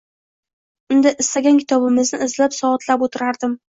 Unda istagan kitobimni izlab soatlab oʻtirardim.